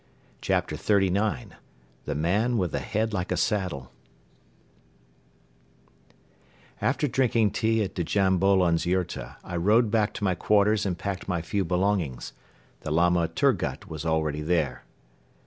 CHAPTER XXXIX "THE MAN WITH A HEAD LIKE A SADDLE" After drinking tea at Djam Bolon's yurta I rode back to my quarters and packed my few belongings. The Lama Turgut was already there.